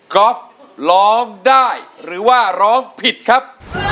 อล์ฟร้องได้หรือว่าร้องผิดครับ